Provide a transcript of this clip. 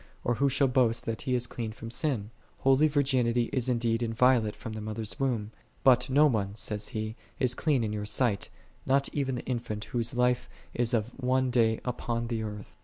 or who shall boast that he is clean from sin?"6 Holy virginity is indeed in violate from the mother's womb; but " no one/' saith he, " is clean in Thy sight, not even the infant whose life is of one day upon the earth."